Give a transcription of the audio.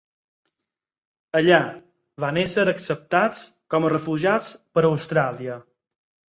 Allà, van ésser acceptats com a refugiats per Austràlia.